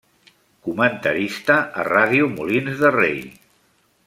Comentarista a Ràdio Molins de Rei.